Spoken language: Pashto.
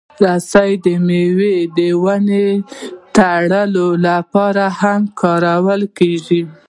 رسۍ د مېوې د ونو تړلو لپاره هم کارېږي.